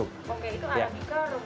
oke itu arabica atau